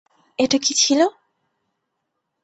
এটা কি ছিল?